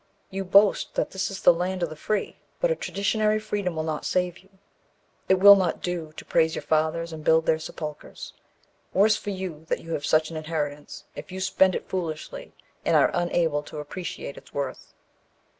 You boast that this is the 'Land of the Free'; but a traditionary freedom will not save you. It will not do to praise your fathers and build their sepulchres. Worse for you that you have such an inheritance, if you spend it foolishly and are unable to appreciate its worth.